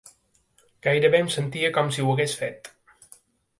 Gairebé em sentia com si ho hagués fet.